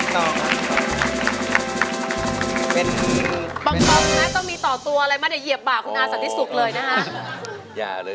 ต้องนะต้องมีต่อตัวอะไรมาเนี่ยเหยียบบ่าคุณอาสันติสุขเลยนะฮะ